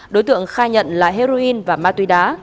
đối tượng khai nhận là heroin và ma túy đá